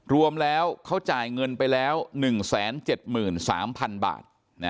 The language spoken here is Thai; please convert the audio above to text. รวมแล้วเขาจ่ายเงินไปแล้ว๑๗๓๐๐๐บาท